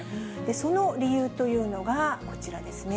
その理由というのがこちらですね。